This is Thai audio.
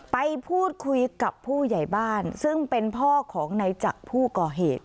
ไปพูดคุยกับผู้ใหญ่บ้านซึ่งเป็นพ่อของนายจักรผู้ก่อเหตุ